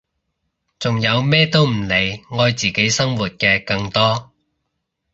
仲有咩都唔理愛自己生活嘅更多！